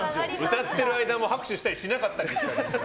歌ってる間も拍手したりしなかった。